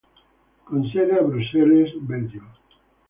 Con sede a Bruxelles, Belgio.